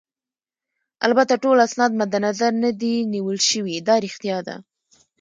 البته ټول اسناد مدنظر نه دي نیول شوي، دا ريښتیا ده.